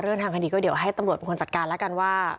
ทางคดีก็เดี๋ยวให้ตำรวจเป็นคนจัดการแล้วกันว่า